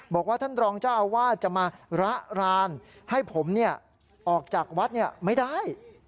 บอกว่าท่านรองเจ้าอาวาสจะมาระรานให้ผมออกจากวัดไม่ได้